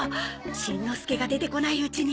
しんのすけが出てこないうちに。